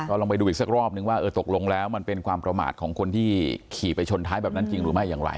ลองไปดูอีกสักรอบนึงว่าเออตกลงแล้วมันเป็นความประมาทของคนที่ขี่ไปชนท้ายแบบนั้นจริงหรือไม่อย่างไร